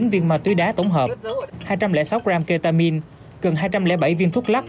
hai trăm chín mươi chín viên ma túy đá tổng hợp hai trăm linh sáu gram ketamine gần hai trăm linh bảy viên thuốc lắc